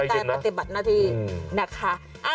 ใจเย็นนะ